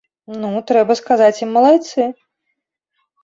Ну, трэба сказаць ім малайцы!